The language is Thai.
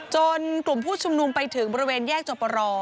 กลุ่มผู้ชุมนุมไปถึงบริเวณแยกจบรอ